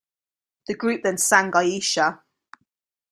The group then sang "Iesha".